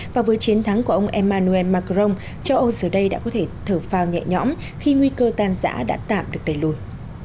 và với chiến thắng của ông emmanuel macron châu âu giờ đây đã có thể thở phao nhẹ nhõm khi nguy cơ tan giã đã tạm được đẩy lùi